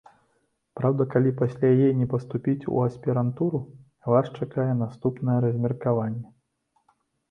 Праўда, калі пасля яе не паступіць у аспірантуру, вас чакае наступнае размеркаванне.